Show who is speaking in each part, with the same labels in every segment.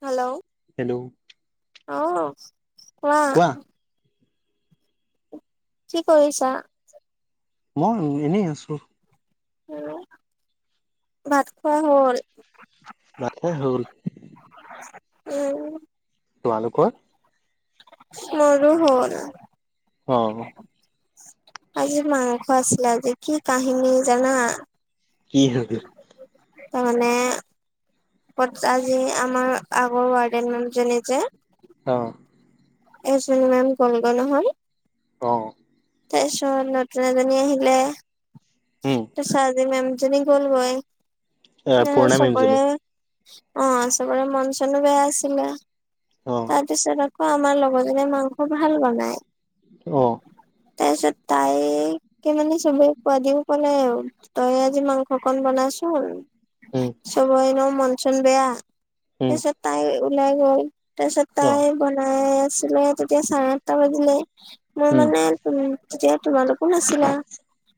Speaker 1: Hello
Speaker 2: hello
Speaker 1: অহ কোৱা। কি কৰিছা?
Speaker 2: মই এনেই আছো
Speaker 1: উম ভাত খোৱা হ'ল?
Speaker 2: বাত খোৱা হল
Speaker 1: উম
Speaker 2: তোমালোকৰ?
Speaker 1: মোৰো হল
Speaker 2: অ
Speaker 1: আজি মাংস আছিলে আজি কি কাহিনী জানা
Speaker 2: কি হ'ল?
Speaker 1: ত মানে আজি আমাৰ আগৰ ৱাৰ্ডেন মানুহজনী যে
Speaker 2: অ
Speaker 1: আচ মম গংগনাহ [unintelligible]
Speaker 2: অ
Speaker 1: তাৰ পিছত নতুন এজনী আহিলে
Speaker 2: উম
Speaker 1: তাৰিছত আজি মেম জনী গ'লগৈ
Speaker 2: এ পুৰণা মেমজনী
Speaker 1: চবৰে অ চবৰে মন চন বেয়া আছিলে
Speaker 2: অ
Speaker 1: তাৰ পিছত আকৌ আমাৰ লগৰ জনে মাংস ভাল বনাই
Speaker 2: অঁ
Speaker 1: তাৰ পিছত তাইকে মানে চবে খোৱাদিও কলে আৰু তই আজি মাংসকন বনাইছ
Speaker 2: উম
Speaker 1: [unintelligible] চবেই ন মন চোন বেয়া
Speaker 2: উম
Speaker 1: তাৰপিছত তাই ওলাই গ'ল তাৰপিছত
Speaker 2: অ
Speaker 1: তাই বনাই আছিলে, তেতিয়া চাৰে আঠটা বাজিলে মোৰ
Speaker 2: উম
Speaker 1: মানে উম তেতিয়া তোমালোকো নাছিলা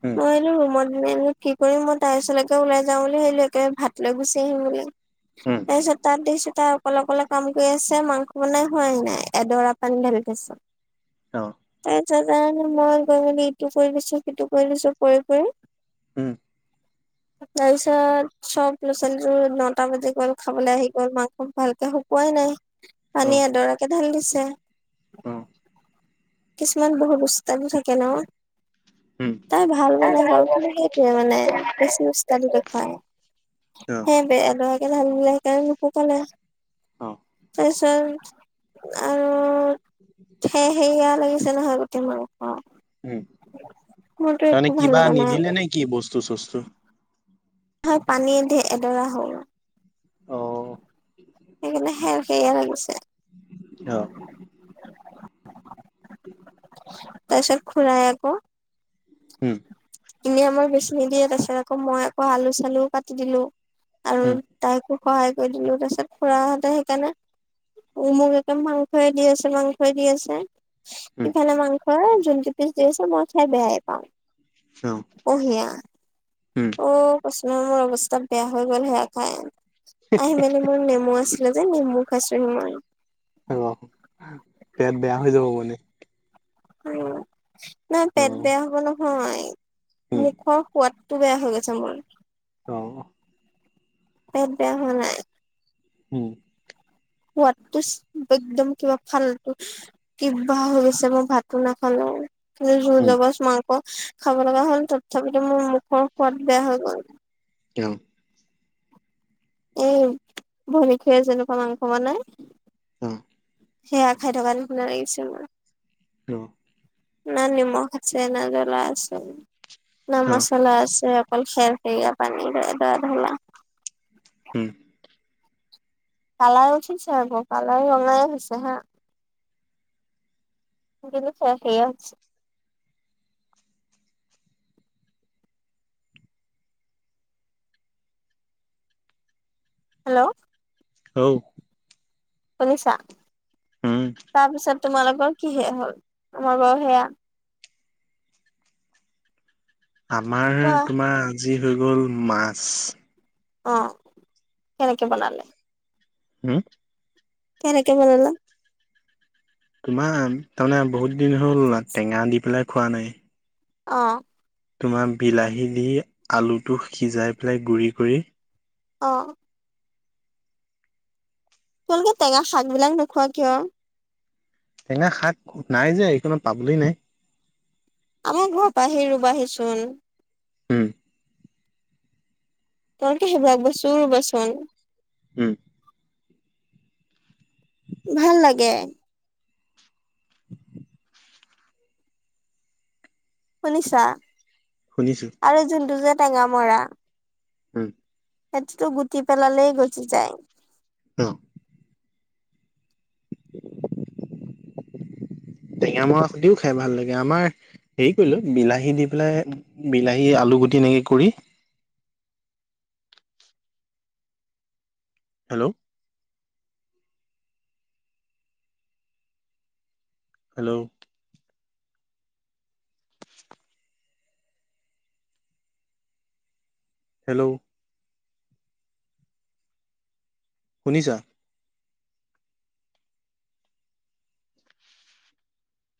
Speaker 2: উম
Speaker 1: মইলো মইনো কি কৰিম, মই তাইৰ ওচৰলৈকে ওলাই যাও বুলি আহিলো, একে ভাত লৈ গুচি আহিম বুলি।
Speaker 2: উম
Speaker 1: এ শতাবদ [unintelligible] তাৰ অকলে অকলে কাম কৰি আছে মাংস বনাই হোৱাই নাই এডোৰা পানী ঢালি থৈছে
Speaker 2: অ
Speaker 1: তাৰ পিছত তে মই গৈ মি ইটো কৰি দিছো সিটো কৰি দিছো কৰি কৰি
Speaker 2: হম
Speaker 1: [inaudible] তাৰ পিছত চব ল'ৰা ছোৱালীবোৰ নটা বাজি গ'ল খাবলৈ আহি গ'ল মাংস ভালকে শুকুৱাই নাই
Speaker 2: অ অ
Speaker 1: পানী এডৰাকে ঢালি দিছে কিছুমান বহুত। উস্তাদি থাকে ন
Speaker 2: উম
Speaker 1: তাই ভাল বনাই বাৰু কিন্তু সেইটোৱে মানে বেছি উস্তাদি দেখুৱাই
Speaker 2: অ
Speaker 1: হে বেল। ধালিলে সেইকাৰনে নুশুকালে
Speaker 2: অ
Speaker 1: তাৰপিছত আৰু উম সেৰ সেৰিয়া লাগিছে নহয় গোটেই মাংস।
Speaker 2: উম
Speaker 1: মোৰতো একো
Speaker 2: তাৰমানে
Speaker 1: ভাল
Speaker 2: কিবা
Speaker 1: লগা নাই আজি।
Speaker 2: নিদিলে নে কি বস্তু চস্তু।
Speaker 1: পানীয়ে [unintelligible] এডৰা হল।
Speaker 2: অ।
Speaker 1: সেয়ে লাগিছে
Speaker 2: অ
Speaker 1: [inaudible]
Speaker 2: [unintelligible]
Speaker 1: তাৰপিছত খুৰায়ে আকৌ।
Speaker 2: হম
Speaker 1: এনেি আমাৰ বেছি নিদিয়ে তাৰ পিছত আকৌ মই আকৌ আলু চালু কাটি দিলো আৰু
Speaker 2: উম
Speaker 1: তাইকো। সহায় কৰি দিলো তাৰপিছত খুৰাহঁতে সেইকাৰণে। মোক একে মাংসই দি আছে মাংসই দি আছে
Speaker 2: উম
Speaker 1: সিফালে মাংস যোন কেইপিছ দি আছে মই খাই বেয়াহে পাওঁ।
Speaker 2: অ
Speaker 1: অহ সেয়া উম কৈছ। তাৰ মোৰ অৱস্থা বেয়া হৈ গ'ল সেয়া খাই আহি মেলি মোৰ নেমু আচ যে নেমু খাইছো মই
Speaker 2: আহ পেট বেয়া হৈ যাব মানে।
Speaker 1: নহয়
Speaker 2: অ
Speaker 1: পেট বেয়া হ'ব নহয়।
Speaker 2: উম
Speaker 1: মুখৰ সোৱাদটো বেয়া হৈ গৈছে মোৰ।
Speaker 2: অ
Speaker 1: হে বেয়া হোৱা নাই
Speaker 2: হম।
Speaker 1: সোৱাদটো একদম কিবা ফাল্টু কিবা হৈ গৈছে মই ভাতো নাখালো
Speaker 2: উম
Speaker 1: [unintelligible] খাব লগা হ'ল তথাপিতো মোৰ মুখৰ সোৱাদ বেয়া হৈ গ'ল।
Speaker 2: অ।
Speaker 1: উম খৰি যে যেনেকুৱা মাংস বনাই।
Speaker 2: অ
Speaker 1: সেয়া খাই থকা নিচিনা লাগিছে মোৰ
Speaker 2: হু
Speaker 1: না নিমখ আছে না জ্বলা আছে না
Speaker 2: অ
Speaker 1: মচলা আছে সেৰ সেৰীয়া পানী দ দ ধলা।
Speaker 2: উম।
Speaker 1: কালাৰ উঠিছে আকৌ কালাৰ ৰঙাই হৈছে হা। কিন্তু [unintelligible] হৈছে। হেল্ল'
Speaker 2: ঔ।
Speaker 1: শুনিছা তাপিছত তোমালোকৰ কি সেয়া হ'ল তোমাৰ বাৰু সেয়া।
Speaker 2: আমাৰ
Speaker 1: কোৱা
Speaker 2: তোমাৰ আজি হৈ গ'ল মাছ।
Speaker 1: অ কেনেকে বনালে।
Speaker 2: হম
Speaker 1: কেনেকে বনালা।
Speaker 2: তোমাৰ তাৰমানে বহুত দিন হ'ল টেঙা দি পেলাই খোৱা নাই।
Speaker 1: অ।
Speaker 2: তোমাৰ বিলাহী দি আলুটো সিজাই পেলাই গুৰি কৰি।
Speaker 1: অ তোমালোকে টেঙা শাক বিলাক নোখোৱা কিয়
Speaker 2: টেঙা শাক নাই যে এইখনত পাবলৈ নাই।
Speaker 1: আমাৰ ঘৰ পৰা আহি ৰুবাহিচোন।
Speaker 2: হম।
Speaker 1: তই কি সেইভাগ বস্তু। [unintelligible]
Speaker 2: উম,
Speaker 1: ভাল লাগে। শুনিছা
Speaker 2: শুনিছো
Speaker 1: আৰু যোনটো যে টেঙা মৰা।
Speaker 2: উম।
Speaker 1: সেইটোতো গুটি পেলালে গচি যায়।
Speaker 2: অ',
Speaker 1: [unintelligible]
Speaker 2: টেঙ মৰা সদিও খাই ভাল লাগে আমাৰ হেৰি কৰিলো বিলাহী দি পেলাই বিলাহী আলু গুটি এনেকে কৰি।
Speaker 1: অ'।
Speaker 2: হেল্ল'। হেল্ল'। হেল্ল'। শুনিছা?